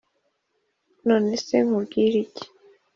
none se nkubwire iki?